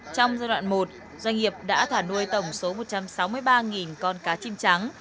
trong giai đoạn một doanh nghiệp đã thả nuôi tổng số một trăm sáu mươi ba con cá chim trắng